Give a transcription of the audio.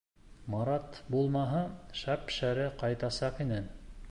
Марат булмаһа шәп-шәрә ҡайтасаҡ инең!